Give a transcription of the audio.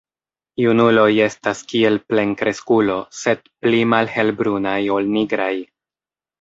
Junuloj estas kiel plenkreskulo, sed pli malhelbrunaj ol nigraj.